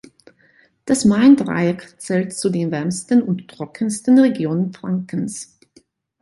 Das Maindreieck zählt zu den wärmsten und trockensten Regionen Frankens.